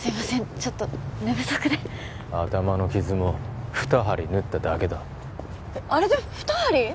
ちょっと寝不足で頭の傷も２針縫っただけだあれで２針！？